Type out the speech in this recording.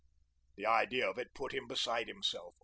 The idea of it put him beside himself.